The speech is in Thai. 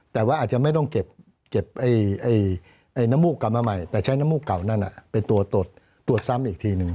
แต่ว่าอาจจะไม่ต้องเก็บน้ำมูกกลับมาใหม่แต่ใช้น้ำมูกเก่านั่นเป็นตัวตรวจซ้ำอีกทีหนึ่ง